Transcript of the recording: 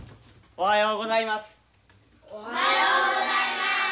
おはようございます。